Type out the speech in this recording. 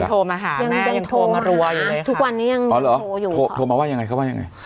ยังโทรมาหาแม่ยังโทรมารัวอยู่เลยค่ะอ๋อเหรอโทรมาว่ายังไงเขาว่ายังไง